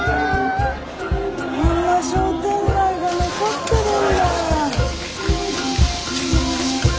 こんな商店街が残ってるんだ。